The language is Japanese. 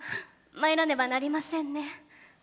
まいらねばなりませんね。